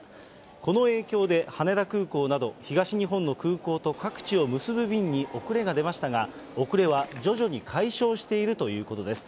この影響で、羽田空港など東日本の空港と各地を結ぶ便に遅れが出ましたが、遅れは徐々に解消しているということです。